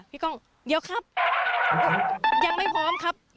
โอเคค่ะพี่ก้องเดี๋ยวครับยังไม่พร้อมครับ